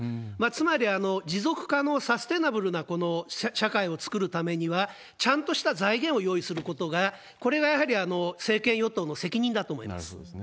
つまり、持続可能・サステナブルな社会を作るためには、ちゃんとした財源を用意することが、これがやはり政権・与党の責任だと思います。